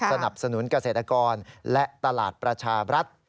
สนับสนุนเกษตรกรและตลาดประชาบรัฐ